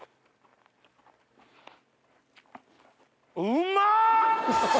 うまっ！